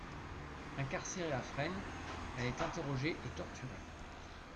Incarcérée à Fresnes, elle est interrogée et torturée.